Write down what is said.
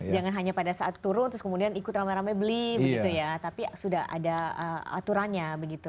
jangan hanya pada saat turun terus kemudian ikut rame rame beli begitu ya tapi sudah ada aturannya begitu